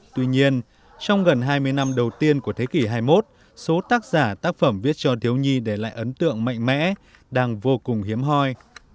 tuy nhiên trong gần hai mươi năm đầu tiên của thế kỷ hai mươi một số tác giả tác phẩm viết cho thiếu nhi để lại ấn tượng mạnh mẽ đang vô cùng hiếm hoi